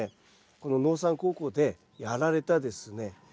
この農産高校でやられたですね